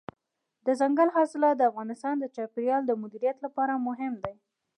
دځنګل حاصلات د افغانستان د چاپیریال د مدیریت لپاره مهم دي.